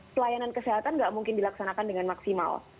pelayanan kesehatan nggak mungkin dilaksanakan dengan maksimal